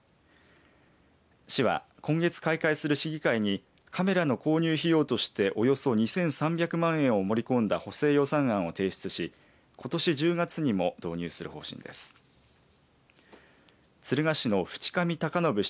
市は、今月開会する市議会にカメラの購入費用としておよそ２３００万円を盛り込んだ補正予算案を提出し、ことし１０月にも導入する方針です。